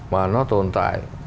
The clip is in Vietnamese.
mà nó tồn tại